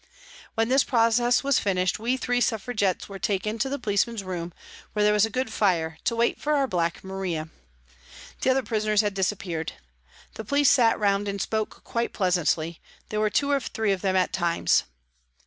When this process was finished, we three Suffra gettes were taken to the policemen's room, where there was a good fire, to wait for our Black Maria. The other prisoners had disappeared. The police sat round and spoke quite pleasantly; there were 250 PRISONS AND PRISONERS two or three of them at times.